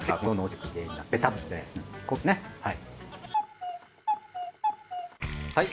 はい。